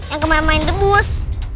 yang kemarin main debus